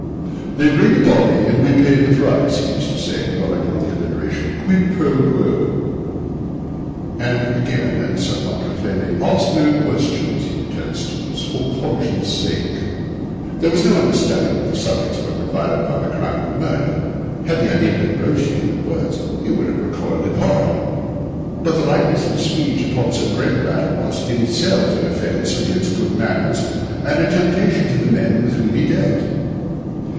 'They bring the body, and we pay the price,' he used to say, dwelling on the alliteration—'quid pro quo.' And, again, and somewhat profanely, 'Ask no questions,' he would tell his assistants, 'for conscience' sake.' There was no understanding that the subjects were provided by the crime of murder. Had that idea been broached to him in words, he would have recoiled in horror; but the lightness of his speech upon so grave a matter was, in itself, an offence against good manners, and a temptation to the men with whom he dealt.